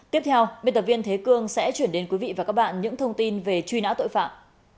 tiếp theo biên tập viên thế cương sẽ chuyển đến quý vị và các bạn những thông tin về truy nã tội phạm